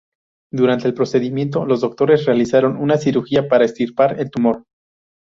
Durante el procedimiento, los doctores realizaron una cirugía para extirpar el tumor.